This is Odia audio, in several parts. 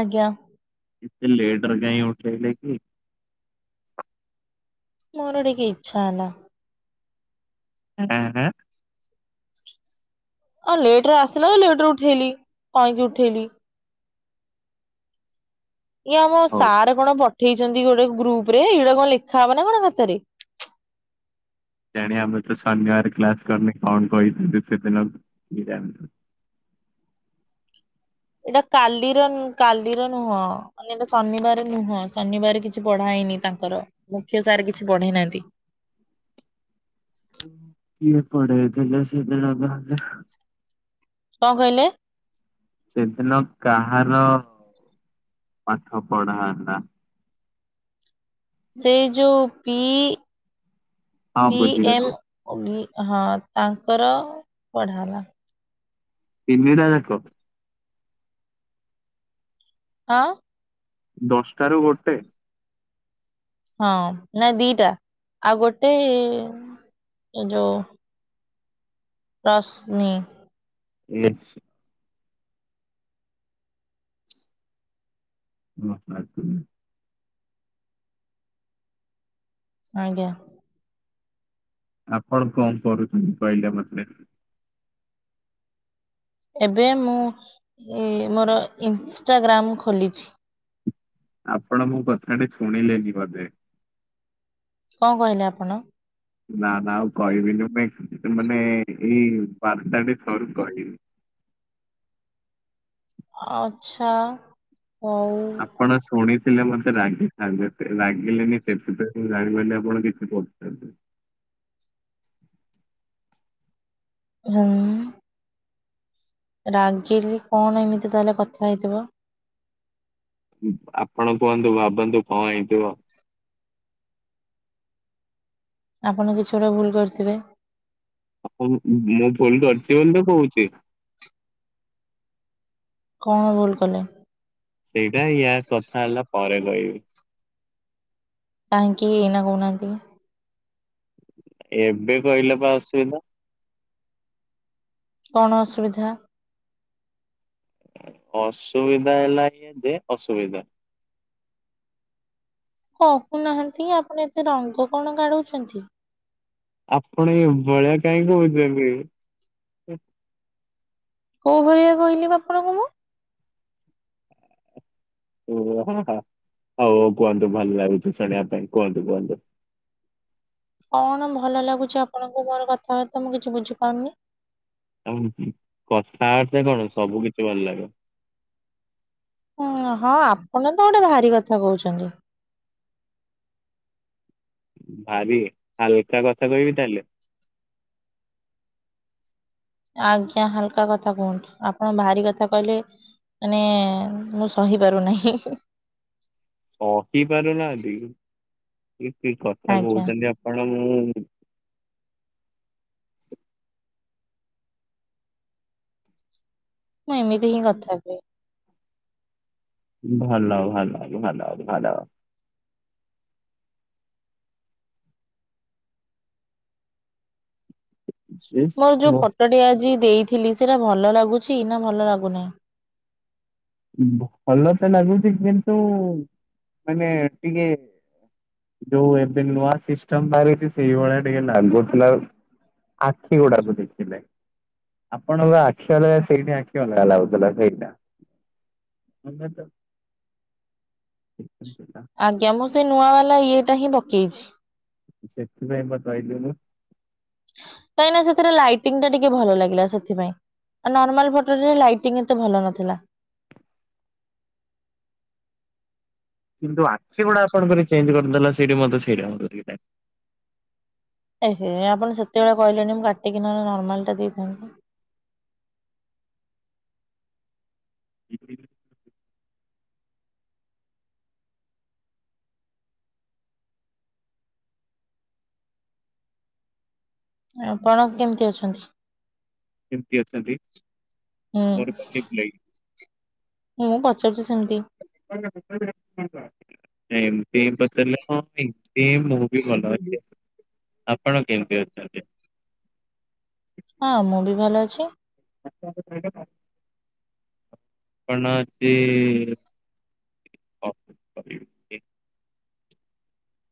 ଆଜ୍ଞା। ଏତେ ଲେଟରେ କାଇଁ ଉଠେଇଲେ କି? ମୋର ଟିକେ ଇଚ୍ଛା ହେଲା। [unintelligible] ହଁ ଲେଟରେ ଆସିଲା ଲେଟରେ ଉଠେଇଲି। କାହିଁକି ଉଠେଇଲି। ଇଏ ଆମ ହଉ। ସାରେ କଣ ପଠେଇଛନ୍ତି ଗୋଟେ ଗ୍ରୁପରେ। ଏଇଟା କଣ ଲେଖା ହବ ନା କଣ ଖାତାରେ? କେଜାଣି ବା ମୁଁ ତ ଶନିବାରେ କ୍ଲାସ କରିନି। କଣ କହିଥିବେ ସେଦିନ। [unintelligible] ଏଇଟା କାଲିର ନୁ କାଲିର ନୁହଁ। ମାନେ ଏଇଟା ଶନିବାରେ ନୁହଁ। ଶନିବାରେ କିଛି ପଢା ହେଇନି ତାଙ୍କର। ମୁଖ୍ୟ ସାରେ କିଛି ପଢେଇ ନାହାଁନ୍ତି। କିଏ ପଢେଇଥିଲେ ସେଦିନ? [unintelligible] କଣ କହିଲେ? ସେଦିନ କାହାର ପାଠ ପଢା ହେଲା? ସେଇ ଯୋଉ ପି ହଁ ପି ଏମ୍ ବୁଝିଗଲି ହଁ ତାଙ୍କର ପଢା ହେଲା। ତିନିଟା ଯାକ। ଆଁ? ଦଶଟାରୁ ଗୋଟେ। ହଁ ନାଇଁ ଦିଟା ଆଉ ଗୋଟେ ଏଁ ଏଇ ଯୋଉ ରଶନି। ୟେସ୍। [unintelligible] ଆଜ୍ଞା। ଆପଣ କଣ ପଢୁଛନ୍ତି କହିଲେ ମତେ? ଏବେ ମୁଁ ଏ ମୋର ଇନଷ୍ଟାଗ୍ରାମ ଖୋଲିଛି। ଆପଣ ମୋ କଥାଟି ଶୁଣିଲେନି ବୋଧେ? କଣ କହିଲେ ଆପଣ? ନା ନା ଆଉ କହିବିନି। [unintelligible] ମାନେ ଏଇ ବାର୍ତ୍ତାଟି ସରୁ କହିବି। ଆଚ୍ଛା। ହଉ ଆପଣ ଶୁଣି ଥିଲେ [unintelligible] ରାଗିଥାନ୍ତେ। [unintelligible] ରାଗିଲେନି ସେଥିପାଇଁ ମୁଁ ଜାଣିପାରିଲି ଆପଣ କିଛି କରୁଛନ୍ତି। ହାଁ। ରାଗିଲି କଣ ଏମିତି ତାହେଲେ କଥା ହେଇଥିବ? ଉଁ ଆପଣ କୁହନ୍ତୁ ଭାବନ୍ତୁ କଣ ହେଇଥିବ? ଆପଣ କିଛି ଗୋଟେ ଭୁଲ କରିଥିବେ। ଆପନ ମୁଁ ଭୁଲ କରିଚି ବୋଲି ତ କହୁଚି। କଣ ଭୁଲ୍ କଲେ? ସେଇଟା ଇୟା କଥା ହେଲା ପରେ କହିବି। କାହିଁକି ଏଇନା କହୁ ନାହାଁନ୍ତି। ଏବେ କହିଲେ ପା ଅସୁବିଧା। କଣ ଅସୁବିଧା? ଅସୁବିଧା ହେଲା ଏୟା ଯେ ଅସୁବିଧା। କହୁନାହାଁନ୍ତି ଆପଣ ଏତେ ରଙ୍ଗ କଣ କାଢୁଛନ୍ତି? ଆପଣ ଏଇ ଭଳିଆ କାହିଁକି କହୁଛନ୍ତି? କୋଉ ଭଳିଆ କହିଲି ବା ଆପଣଙ୍କୁ ମୁଁ? ଓଃ ହା ହା ହଉ ହଉ କୁହନ୍ତୁ ଭଲ ଲାଗୁଚି ଶୁଣିବା ପାଇଁ କୁହନ୍ତୁ କୁହନ୍ତୁ। କଣ ଭଲ ଲାଗୁଚି ଆପଣଙ୍କୁ ମୋର କଥାବାର୍ତ୍ତା। ମୁଁ କିଛି ବୁଝିପାରୁନି? ନା ମ କଥାବାର୍ତ୍ତା କଣ ସବୁ କିଛି ଭଲ ଲାଗେ। ହୁଁ ହଁ ଆପଣ ତ ଗୋଟେ ଭାରି କଥା କହୁଚନ୍ତି। ଭାରି ହାଲ୍କା କଥା କହିବି ତାହେଲେ? ଆଜ୍ଞା ହାଲ୍କା କଥା କୁହନ୍ତୁ। ଆପଣ ଭାରି କଥା କହିଲେ ମାନେ ମୁଁ ସହି ପାରୁନାହିଁ। ହିଁ ହିଁ ହିଁ ସାହୁ ପାରୁନାହାଁନ୍ତି ଏ କି କଥା ଆଜ୍ଞା କହୁଚନ୍ତି ଆପଣ ମୁଁ? ନାଇଁ ମୁଁ ଏମିତି ହିଁ କଥା ହେବି ଭଲ ଭଲ ଭଲ ଭଲ। ସେ ମୋର ଯୋଉ ଫଟୋଟି ଆଜି ଦେଇଥିଲି ସେଇଟା ଭଲ ଲାଗୁଚି ନା ଭଲ ଲାଗୁନାହିଁ? ଭଲ ତ ଲାଗୁଚି କିନ୍ତୁ ମାନେ ଟିକେ ଯୋଉ ଏବେ ନୂଆ ସିଷ୍ଟମ ବାହାରିଚି ସେଇଭଳିଆ ଟିକେ ଲାଗୁଥିଲା। ଆଖି ଗୁଡାକୁ ଦେଖିଲେ। ଆପଣଙ୍କ ଆଖି ଅଲଗା ସେଇଠି ଆଖି ଅଲଗା ଲାଗୁଥିଲା ସେଇଟା। ତମେ ତ ଦେଖିଥିଲା, ଆଜ୍ଞା ମୁଁ ସେଇ ନୂଆ ବାଲା ଇଏଟା ହିଁ ପକେଇଚି। ସେଥିପାଇଁ ପା କହିଲି ମୁଁ। କାଇଁନା ସେଥିରେ ଲାଇଟିଙ୍ଗ ଟା ଟିକେ ଭଲ ଲାଗିଲା ସେଥିପାଇଁ। ଏ ନର୍ମାଲ ଫଟରେ ଲାଇଟିଂ ଏତେ ଭଲ ନଥିଲା। କିନ୍ତୁ ଆଖି ଗୁଡା ଆପଣଙ୍କର ଚେଞ୍ଜ କରିଦେଲ ସେଠି ମତେ ସେଇରା ଭଲ ଲାଗି ନାଇଁ। ଏ ହେ ଆପଣ ସେତେବେଳେ କହିଲେନି ମୁଁ କାଟିକି ନ ହେଲେ ନର୍ମାଲ ଟା ଦେଇଥାନ୍ତି। ହଁ [unintelligible] ଆପଣ କେମିତି ଅଛନ୍ତି? କେମିତି ଅଛନ୍ତି ମୋର ହୁଁ ହେଇଥିଲା କି? ମୁଁ ପଚାରୁଚି ସେମିତି। ନାଇଁ ହିଁ ଏମିତି ପଚାରିଲ କଣ ପାଇଁ? ଏଁ ମୁଁ ବି ଭଲ ଅଛି। ଆପଣ କେମତି ଅଛନ୍ତି? ହଁ ମୁଁ ବି ଭଲ ଅଛି। କଣ ଅଛି? କହିବି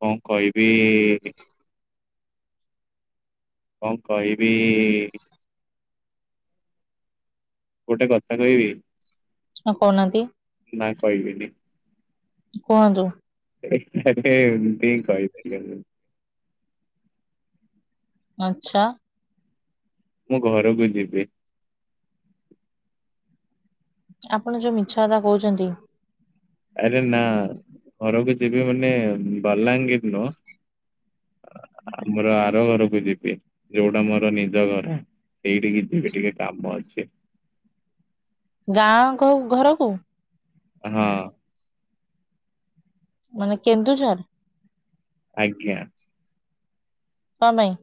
କଣ କହିବି? କଣ କହିବି? ଗୋଟେ କଥା କହିବି? ହଁ କହୁନାହାଁନ୍ତି। ନା କହିବିନି। କୁହନ୍ତୁ। ଏ ହେ ହେ ଏମିତି ହିଁ କହି ଦେଲି ଆଉ। ଆଚ୍ଛା। ମୁଁ ଘରକୁ ଯିବି। ଆପଣ ଯୋଉ ମିଛ କଥା କହୁଚନ୍ତି। ଆରେ ନା ଘରକୁ ଯିବି ମାନେ ବଲାଙ୍ଗୀର ନୁହଁ। ଆମର ଆର ଘରକୁ ଯିବି। ଯୋଉଟା ମୋର ନିଜ ଘର। ସେଇଠିକି ଯିବି ଟିକେ କାମ ଅଛି। ଗାଁ କ ଘ-ଘରକୁ? ହଁ। ମାନେ କେନ୍ଦୁଝର? ଆଜ୍ଞା। କଣ ପାଇଁ?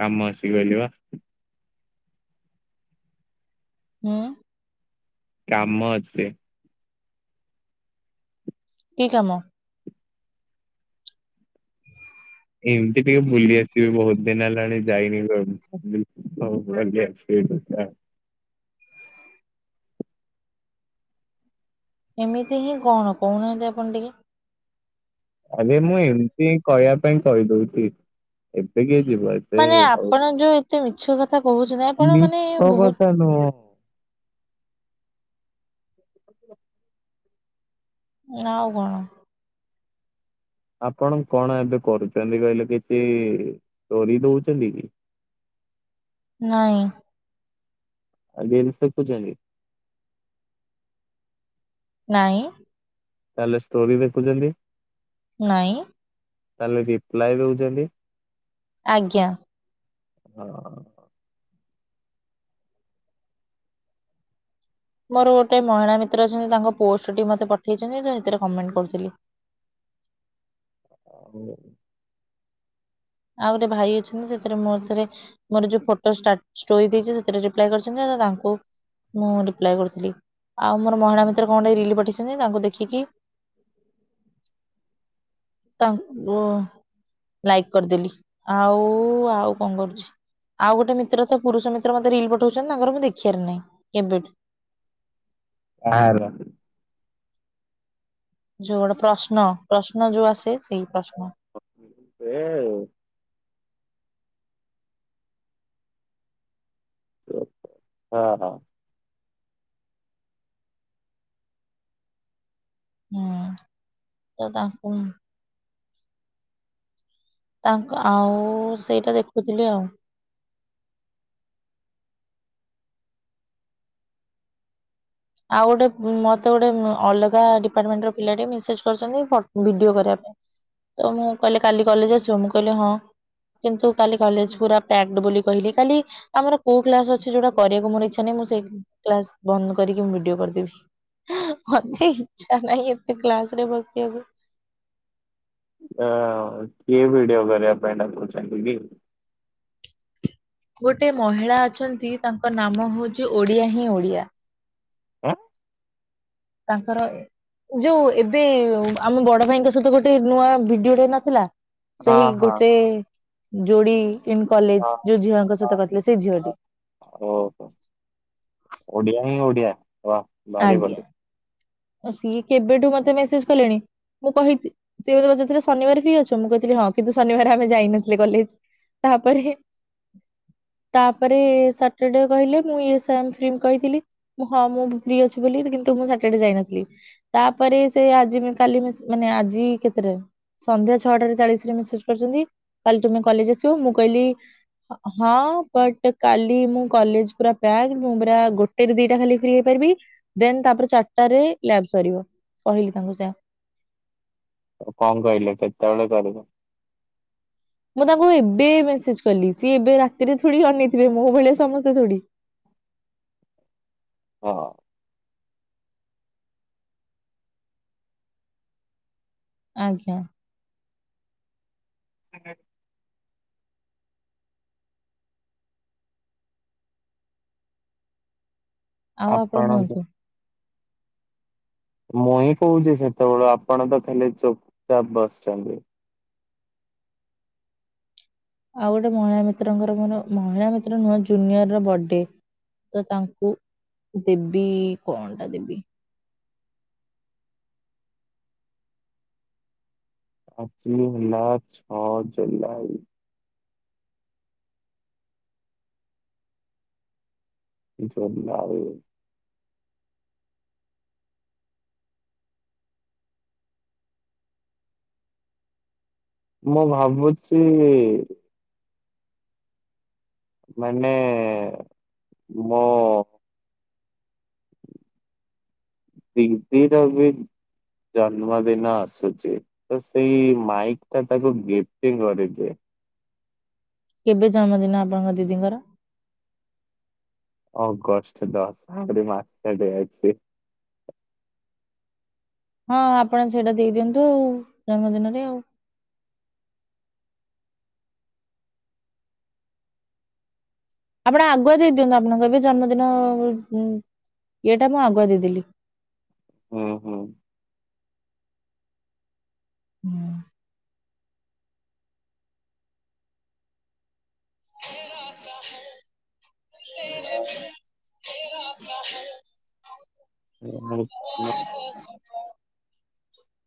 କାମ ଅଛି କହିଲି ବା। ହୁଁ। କାମ ଅଛି। କି କାମ? ଏମିତି ଟିକେ ବୁଲି ଆସିବି ବହୁତ ଦିନ ହେଲାଣି ଯାଇନି। ହଉ ଭାବିଲି ବୁଲି ଆସିବା। [unintelligible] ଏମିତି ହିଁ କଣ କହୁନାହାଁନ୍ତି ଆପଣ ଟିକେ? ଆବେ ମୁଁ ଏମିତି ହିଁ କହିବା ପାଇଁ କହିଦଉଚି। ଏବେ କିଏ ଯିବ ଆ ମାନେ ଆପଣ ଯୋଉ ଏତେ ମିଛ କଥା କହୁଛନ୍ତି। ଆପଣ ମାନେ ମିଛ ବହୁତ କଥା ନୁହଁ। ନା ଆଉ କଣ? ଆପଣ କଣ ଏବେ କରୁଚନ୍ତି କହିଲେ କିଛି ଷ୍ଟୋରି ଦଉଚନ୍ତି କି? ନାଇଁ। ଆଉ ରିଲ୍ସ ଦେଖୁଚନ୍ତି? ନାଇଁ। ତାହେଲେ ଷ୍ଟୋରି ଦେଖୁଛନ୍ତି? ନାଇଁ। ତାହେଲେ ରିପ୍ଲାଏ ଦଉଚନ୍ତି? ଆଜ୍ଞା। ହଁ। ମୋର ଗୋଟେ ମହିଳା ମିତ୍ର ଅଛନ୍ତି ତାଙ୍କ ପୋଷ୍ଟ ଟି ମତେ ପଠେଇଚନ୍ତି ତ ସେଥିରେ କମେଣ୍ଟ କରୁଥିଲି। ହଉ। ଆଉ ଗୋଟେ ଭାଇ ଅଛନ୍ତି ସେଥିରେ ମୋର ଥରେ ମୋର ଯୋଉ ଫଟୋ ଷ୍ଟା ଷ୍ଟୋରି ଦେଇଚି ସେଥିରେ ରିପ୍ଲାଏ କରିଚନ୍ତି ନା ନା ତାଙ୍କୁ ମୁଁ ରିପ୍ଲାଏ କରୁଥିଲି। ଆଉ ମୋର ମହିଳା ମିତ୍ର କଣ ଗୋଟେ ରିଲ ପଠେଇଚନ୍ତି ତାଙ୍କୁ ଦେଖିକି ତାଙ୍କ ଉ ଲାଇକ୍ କରିଦେଲି ଆଉ ଆଉ କଣ କରୁଛି? ଆଉ ଗୋଟେ ମିତ୍ର ତ ପୁରୁଷ ମିତ୍ର ମତେ ରିଲ ପଠଉଚନ୍ତି। ତାଙ୍କର ମୁଁ ଦେଖିବାର ନାଇଁ କେବେଠୁ। କାହାର? ଯୋଉ ଗୋଟେ ପ୍ରଶ୍ନ ପ୍ରଶ୍ନ ଯୋଉ ଆସେ ସେଇ ପ୍ରଶ୍ନ। ଅ ସେ ଆଉ ଉ ହଁ ହଁ। ହୁଁ ତ ତାଙ୍କୁ ତାଙ୍କ ଆଉ ସେଇଟା ଦେଖୁଥିଲି ଆଉ। ଆଉ ଗୋଟେ ମତେ ଗୋଟେ ଉଁ ଅଲଗା ଡିପାର୍ଟମେଣ୍ଟ ର ପିଲାଟେ ମେସେଜ କରଚନ୍ତି ଫଟ୍ ଭିଡିଓ କରିବା ପାଇଁ। ତ ମୁଁ କହିଲେ କାଲି କଲେଜ ଆସିବ ମୁଁ କହିଲି ହଁ। କିନ୍ତୁ କାଲି କଲେଜ ପୁରା ପ୍ୟାକ୍ଡ ବୋଲି କହିଲି। କାଲି ଆମର କୋଉ କ୍ଲାସ ଅଛି ଯୋଉଟା କରିବାକୁ ମୋ ଇଚ୍ଛା ନାହିଁ। ମୁଁ ସେଇ କ୍ଲାସ ବନ୍ଦ କ କରିକି ମୁଁ ଭିଡିଓ କରିଦେବି। ମତେ ଇଚ୍ଛା ନାହିଁ ଏତେ କ୍ଲାସ ରେ ବସିବାକୁ। ଏ ଅ କିଏ ଭିଡିଓ କରିବା ପାଇଁ ଏଟା ଡ଼ାକୁଚନ୍ତି କି? ଗୋଟେ ମହିଳା ଅଛନ୍ତି ତାଙ୍କ ନାମ ହଉଚି ଓଡିଆ ହିଁ ଓଡିଆ। କଣ? ତାଙ୍କର ଯୋଉ ଏବେ ଆମ ବଡ ଭାଇଙ୍କ ସହିତ ଗୋଟେ ନୂଆ ଭିଡିଓଟେ ହେଇ ନଥିଲା ସେଇ ହଁ ଗୋଟେ ଯୋଡି ଇନ୍ ହଁ କଲେଜ ଯୋଉ ଝିଅଙ୍କ ହଁ। ସହିତ କରିଥିଲେ ସେଇ ଝିଅଟି। ଓହୋ। ଓଡିଆ ହିଁ ଓଡ଼ିଆ ହ ଭାରି ଆଜ୍ଞା ବଢିଆ। ସିଏ କେବେଠୁ ମତେ ମେସେଜ କଲେଣି। ମୁଁ କହିଥିଲି, ସେ ମତେ ପଚାରୁଥିଲେ ଶନିବାର ଫ୍ରି ଅଛ ମୁଁ କହିଥିଲି ହଁ। କିନ୍ତୁ ଶନିବାର ଆମେ ଯାଇନଥିଲେ କଲେଜ। ତାପରେ ତାପରେ ସଟର୍ଡେ କହିଲେ ମୁଁ ୟେସ [unintelligible] କହିଥିଲି। ହଁ ମୁଁ ବି ଫ୍ରି ଅଛି ବୋଲି କିନ୍ତୁ ମୁଁ ସଟର୍ଡେ ଯାଇନଥିଲି। ତାପରେ ସେ ଆଜି ମିସ୍ କାଲି ମିସ୍ ମାନେ ଆଜି କେତେଟାରେ? ସନ୍ଧ୍ୟା ଛଅଟାରେ ଚାଳିଶ ରେ ମେସେଜ କରିଛନ୍ତି କାଲି ତୁମେ କଲେଜ ଆସିବ ମୁଁ କହିଲି ହଁ ବଟ କାଲି ମୁଁ କଲେଜ ପୁରା ପ୍ୟା ମୁଁ ପୁରା ଗୋ ଗୋଟେ ରୁ ଦିଟା ଖାଲି ଫ୍ରି ହେଇପାରିବି। ଦେନ୍ ତାପରେ ଚାରିଟାରେ ଲ୍ୟାବ ସରିବ। କହିଲି ତାଙ୍କୁ ସେଇଆ। କଣ କହିଲେ କେତେବେଳେ କରିବ? ମୁଁ ତାଙ୍କୁ ଏବେ ମେସେଜ କଲି ସିଏ ଏବେ ରାତିରେ ଥୋଡି ଅନେଇଥିବେ, ମୋ ଭଳିଆ ସମସ୍ତେ ଥୋଡି। ହଁ। ଆଜ୍ଞା। ଆଉ ଆପଣ କୁହନ୍ତୁ। ମୁଁ ହିଁ କହୁଚି ସେତେବେଳୁ ଆପଣ ତ ଖାଲି ଚୁପଚାପ୍ ବସିଛନ୍ତି। ଆଉ ଗୋଟେ ମହିଳା ମିତ୍ରଙ୍କର ମୋର ମହିଳା ମିତ୍ର ନୁହଁ ଜୁନିୟର ର ବର୍ଥଡେ। ତ ତାଙ୍କୁ ଦେବି କଣ ଟା ଦେବି। ଆକଚୁଆଲି ହେଲା ଛଅ ଜୁଲାଇ। [unintelligible] ମୁଁ ଭାବୁଚି ମାନେ ମୁଁ ଦିଦି ର ବି ଜନ୍ମଦିନ ଆସୁଚି। ତ ସେଇ ମାଇକ୍ ଟା ତାକୁ ଗିଫ୍ଟି କରିଦିଏ। କେବେ ଜନ୍ମଦିନ ଆପଣଙ୍କ ଦିଦିଙ୍କର? ଅଗଷ୍ଟ ଦଶ ଆହୁରି ମାସ ଟେ ଡେଟ୍ ଅଛି। ହଁ ଆପଣ ସେଇଟା ଦେଇଦିଅନ୍ତୁ ଜନ୍ମଦିନରେ ଆଉ। ଆପଣ ଆଗୁଆ ଦେଇଦିଅନ୍ତୁ। ଆପଣଙ୍କୁ ଏବେ ଜନ୍ମଦିନ ଇଏଟା ମୁଁ ଆଗୁଆ ଦେଇଦେଲି। ହୁଁ ହୁଁ। [inaudible] [unintelligible] [unintelligible] [unintelligible]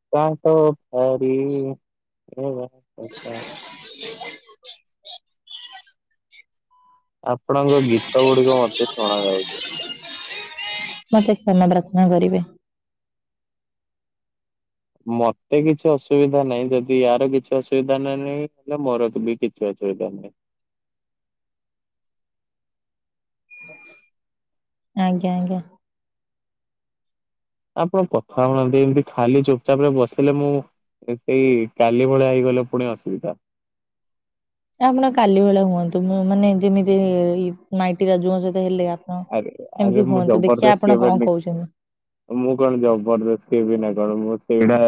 [unintelligible] [inaudible] ଆପଣଙ୍କ ଗୀତ ଗୁଡିକ ମତେ ଶୁଣା ଯାଉଚି। ମତେ କ୍ଷମା ପ୍ରାର୍ଥନା କରିବେ। ମତେ କିଛି ଅସୁବିଧା ନାହିଁ। ଯଦି ୟାର କିଛି ଅସୁବିଧା ନା ନହିଁ ହେଲେ ମୋର ବି କିଛି କିଛି ଅସୁବିଧା ନାହିଁ। [unintelligible] ଆଜ୍ଞା ଆଜ୍ଞା। ଆପଣ କଥା ହଉନାହାନ୍ତି ଏମିତି ଖାଲି ଚୁପଚାପ ରେ ବସିଲେ ମୁଁ ଏଇ କାଲି ଭଳିଆ ହେଇଗଲେ ପୁଣି ଅସୁବିଧା। ଏ ଆପଣ କାଲି ଭଳିଆ ହୁଅନ୍ତୁ। ମୁଁ ମାନେ ଯେମିତି ଏଇ ମାଇଟି ରାଜୁଙ୍କ ସହିତ ହେଲେ ହଁ। ଆରେ ଆରେ ଏମିତି ମୁଁ ହୁଅନ୍ତୁ ଦେଖିବା ଜବରଦସ୍ତି ଆପଣ ଏବେ କଣ କହୁଛନ୍ତି। ମୁଁ କଣ ଜବରଦସ୍ତ ହେବି ନା କଣ ମୁଁ ସେଇଟା